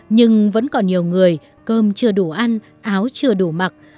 nhưng vẫn còn nhiều người cơm chưa đủ ăn áo chưa đủ mặc